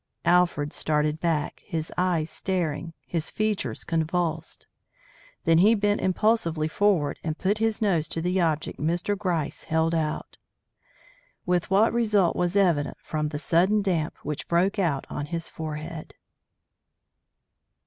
Alfred started back, his eyes staring, his features convulsed. Then he bent impulsively forward and put his nose to the object Mr. Gryce held out. With what result was evident from the sudden damp which broke out on his forehead.